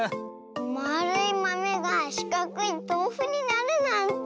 まあるいまめがしかくいとうふになるなんて。